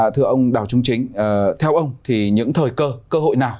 thưa ông đào trung chính theo ông thì những thời cơ hội nào